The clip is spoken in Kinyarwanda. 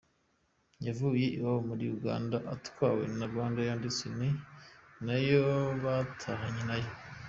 Yavuye iwabo muri Uganda atwawe na RwandAir ndetse ni nayo yatahanye nayo.